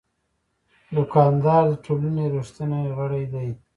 دوکاندار د ټولنې یو ریښتینی غړی دی.